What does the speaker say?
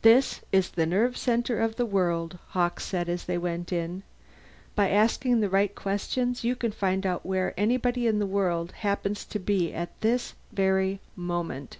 "This is the nerve center of the world," Hawkes said as they went in. "By asking the right questions you can find out where anybody in the world happens to be at this very moment."